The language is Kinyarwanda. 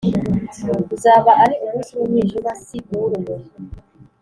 Uzaba ari umunsi w’umwijima, si uw’urumuri.